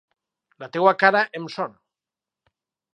La teua cara em sona!